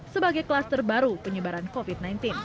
sebagai kluster baru penyebaran covid sembilan belas